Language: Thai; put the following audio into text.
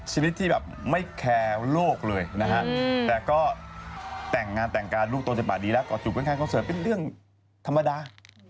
ชีวิตที่แบบไม่แคร์โลกเลยนะฮะแต่ก็แต่งงานแต่งการลูกโตจะบาดดีแล้วก็จูบข้างคอนเสิร์ตเป็นเรื่องธรรมดา